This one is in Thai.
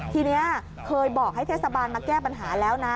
ทีนี้เคยบอกให้เทศบาลมาแก้ปัญหาแล้วนะ